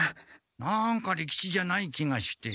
なんか利吉じゃない気がして。